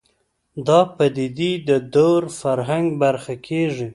دا پدیدې د دور فرهنګ برخه کېږي